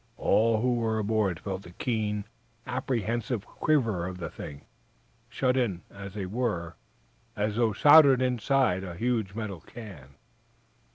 All who were aboard felt the keen, apprehensive quiver of the thing, shut in, as they were, as though soldered inside a huge metal can.